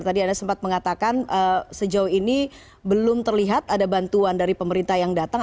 tadi anda sempat mengatakan sejauh ini belum terlihat ada bantuan dari pemerintah yang datang